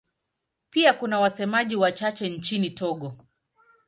Pia kuna wasemaji wachache nchini Togo.